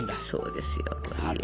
そうですよ。